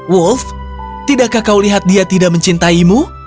wolf tidakkah kau lihat dia tidak mencintaimu